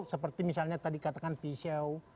seperti misalnya tadi katakan pisau